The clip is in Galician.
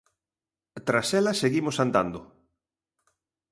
Tras ela seguimos andando.